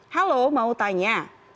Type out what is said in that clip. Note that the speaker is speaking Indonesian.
halo mau tanya